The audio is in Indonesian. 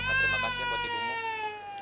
cuma terima kasih yang gue diumum